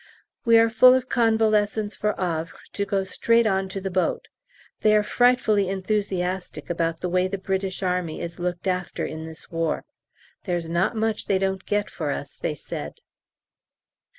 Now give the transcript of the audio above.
We are full of convalescents for Havre to go straight on to the boat. They are frightfully enthusiastic about the way the British Army is looked after in this war. "There's not much they don't get for us," they said.